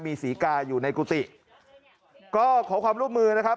มีศรีกาอยู่ในกุฏิก็ขอความร่วมมือนะครับ